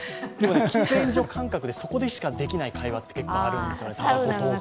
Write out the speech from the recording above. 喫煙所感覚で、そこでしかできない会話ってあるんですよね。